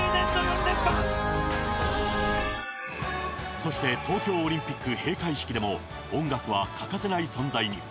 そして東京オリンピック閉会式でも音楽は欠かせない存在に。